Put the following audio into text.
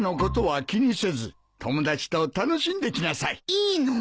いいの？